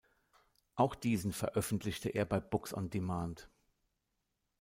Auch diesen veröffentlichte er bei Books on Demand.